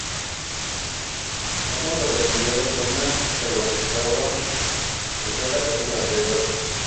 Uno correspondía a la zona que abarcaba el Zócalo y sus alrededores.